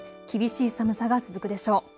厳しい寒さが続くでしょう。